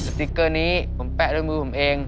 สติ๊กเกอร์นี้ผมแปะด้วยมือผมเอง